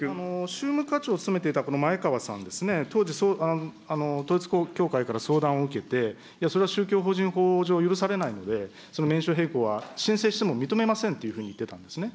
宗務課長を務めていた前川さんですね、当時統一教会から相談を受けて、それは宗教法人法上許されないので、その名称変更は申請しても認めませんというふうに言ってたんですね。